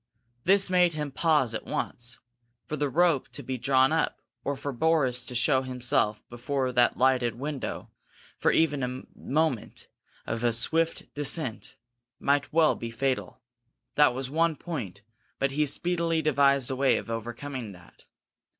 This made him pause at once. For the rope to be drawn up, or for Boris to show himself before that lighted window for even the moment of a swift descent, might well be fatal. That was one point, but he speedily devised a way of overcoming that.